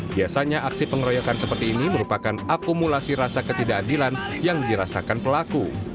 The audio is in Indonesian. biasanya aksi pengeroyokan seperti ini merupakan akumulasi rasa ketidakadilan yang dirasakan pelaku